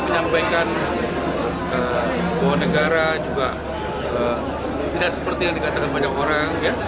menyampaikan bahwa negara juga tidak seperti yang dikatakan banyak orang